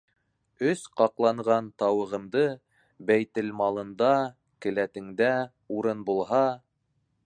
Өс ҡаҡланған тауығымды... бәйтелмалында... келәтеңдә... урын булһа...